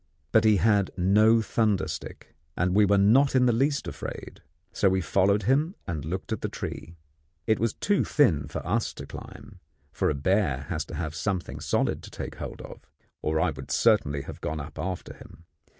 But he had no thunder stick, and we were not in the least afraid; so we followed him and looked at the tree. It was too thin for us to climb for a bear has to have something solid to take hold of or I would certainly have gone up after him.